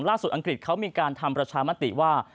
อังกฤษเขามีการทำประชามติว่า